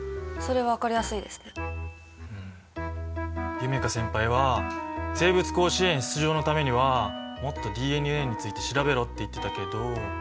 夢叶先輩は「生物甲子園出場のためにはもっとＤＮＡについて調べろ」って言ってたけど。